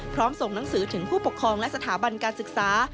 ส่งหนังสือถึงผู้ปกครองและสถาบันการศึกษา